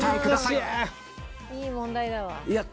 いい問題だわ。